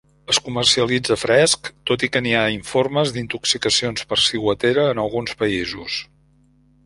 Es comercialitza fresc, tot i que n'hi ha informes d'intoxicacions per ciguatera en alguns països.